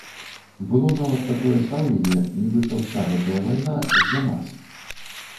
Было нават такое стаўленне, нібыта ўся гэтая вайна з-за нас.